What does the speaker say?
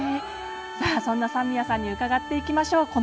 そんな三宮さんに伺っていきましょう。